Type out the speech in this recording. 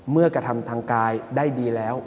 กระทำทางกายได้ดีแล้ว